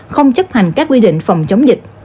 không chấp hành các quy định phòng chống dịch